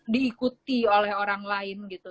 diikuti oleh orang lain gitu